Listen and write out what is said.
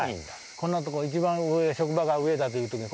こんなとこ一番上職場が上だというとね